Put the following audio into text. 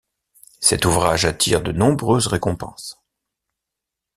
Cet ouvrage attire de nombreuses récompenses.